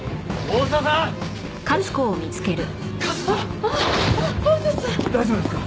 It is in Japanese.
大丈夫ですか？